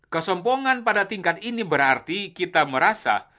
kesombongan pada tingkat ini berarti kita merasa